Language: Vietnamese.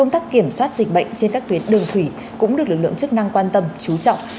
trên các tuyến đường thủy cũng được lực lượng chức năng quan tâm chú trọng